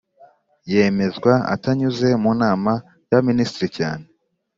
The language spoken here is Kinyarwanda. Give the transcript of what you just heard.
Yemezwa atanyuze mu nama y abaminisitiri cyane